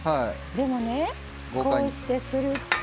でもねこうしてすると。